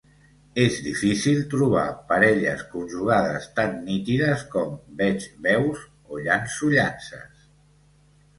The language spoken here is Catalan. És difícil trobar parelles conjugades tan nítides com veig veus o llanço llances.